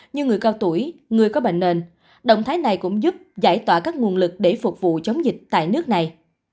như người cao tuổi người có bệnh nền động thái này cũng giúp giải tỏa các nguồn lực để phục vụ chống dịch tại nước này